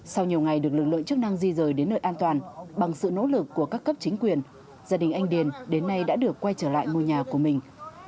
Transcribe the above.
sau nhiều ngày được lực lượng chức năng di rời đến nơi an toàn bằng sự nỗ lực của các cấp chính quyền gia đình anh điền đến nay đã được quay trở lại ngôi nhà của mình